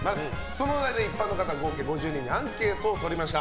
そのお題で一般の方、計５０人にアンケートを取りました。